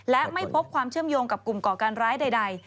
และไม่พบความเชื่อมโยงกับกลุ่มก่อการร้ายใด